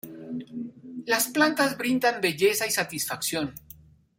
Las plantas brindan belleza y satisfacción.